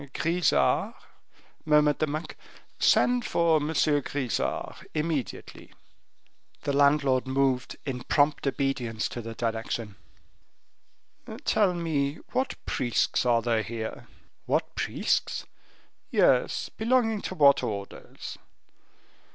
Grisart?" murmured the monk, "send for M. Grisart immediately." The landlord moved in prompt obedience to the direction. "Tell me what priests are there here?" "What priests?" "Yes; belonging to what orders?"